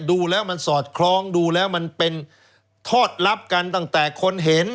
ดูแล้วมันสอดคล้องดูแล้วมันเป็นทอดลับกันตั้งแต่คนเห็น